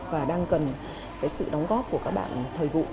và đang cần cái sự đóng góp của các bạn thời vụ